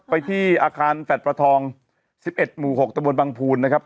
ไปที่อาคารแฟดประทองสิบเอ็ดหมู่หกตะบนบังพูนนะครับ